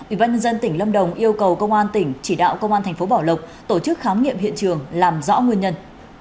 ubnd tỉnh lâm đồng yêu cầu công an tỉnh chỉ đạo công an tp bảo lộc tổ chức khám nghiệm hiện trường làm rõ nguyên nhân